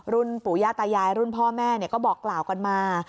รุ่นปุ๋ยตายายรุ่นพ่อแม่เนี่ยก็บอกกล่าวกันมา